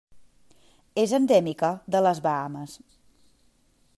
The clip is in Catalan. És endèmica de les Bahames.